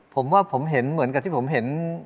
ผมว่าผมเห็นเหมือนกับที่ผมเห็น